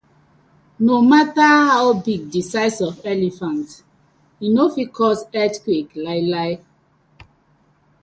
No matta how big di size of elephant, e no fit cause earthquake lai la.